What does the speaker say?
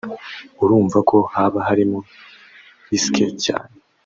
urumva ko haba harimo risques cyane